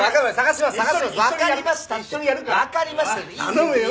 頼むよ。